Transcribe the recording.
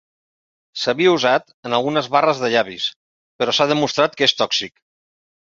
S'havia usat en algunes barres de llavis però s'ha demostrat que és tòxic.